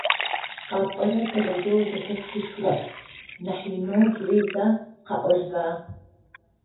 КъапӀорэр тэрэзэу зэхэсхышъурэп, нахь инэу джыри зэ къэӀожьба.